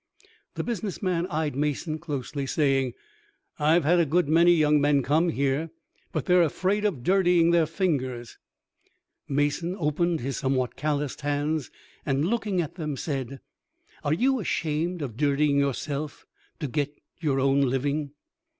The business man eyed Mason closely, saying, "I've had a good many young men come here; but they are afraid of dirtying their fingers." Mason opened his somewhat calloused hands, and, looking at them, said, "Are you ashamed of dirtying yourselves to get your own living?"